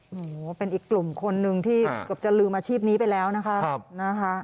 โอ้โหเป็นอีกกลุ่มคนนึงที่เกือบจะลืมอาชีพนี้ไปแล้วนะคะ